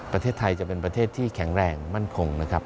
ประเทศไทยจะเป็นประเทศที่แข็งแรงมั่นคงนะครับ